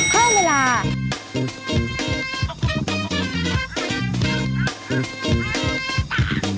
เข้าเวลา